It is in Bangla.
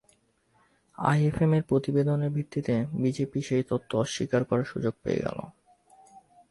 আইএমএফের প্রতিবেদনের ভিত্তিতে বিজেপি সেই তত্ত্ব অস্বীকার করার সুযোগ পেয়ে গেল।